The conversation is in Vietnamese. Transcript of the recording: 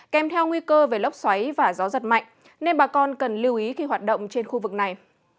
kèm theo nguy cơ về lốc xoáy và gió giật mạnh nên bà con cần lưu ý khi hoạt động trên khu vực này